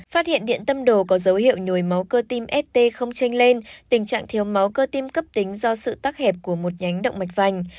phát hiện điện tâm đồ có dấu hiệu nhồi máu cơ tim st không tranh lên tình trạng thiếu máu cơ tim cấp tính do sự tắc hẹp của một nhánh động mạch vành